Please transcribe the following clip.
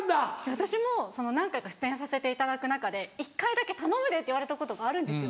私も何回か出演させていただく中で１回だけ「頼むで」って言われたことがあるんですよ。